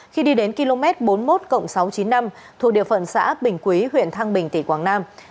khi đi đến km bốn mươi một sáu trăm chín mươi năm thuộc địa phận xã bình quý huyện thăng bình tỉnh quảng nam